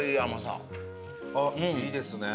いいですね。